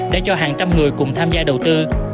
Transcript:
để cho hàng trăm người cùng tham gia đầu tư